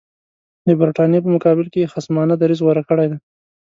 د برټانیې په مقابل کې یې خصمانه دریځ غوره کړی دی.